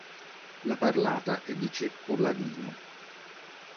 La parlata è di ceppo ladino.